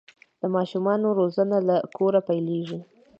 د ماشومانو روزنه له کوره پیلیږي.